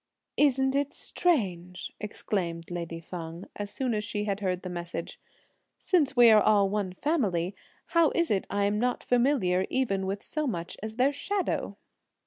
"Isn't it strange!" exclaimed lady Feng, as soon as she had heard the message; "since we are all one family, how is it I'm not familiar even with so much as their shadow?"